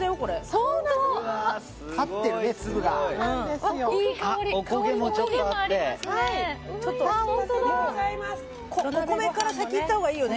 ホントだ・お米から先いった方がいいよね